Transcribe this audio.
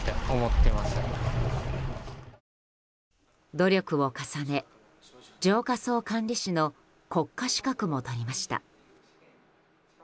努力を重ね、浄化槽管理士の国家資格も取りました。